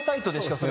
それ。